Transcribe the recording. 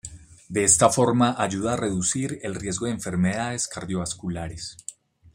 De esta forma ayuda a reducir el riesgo de enfermedades cardiovasculares.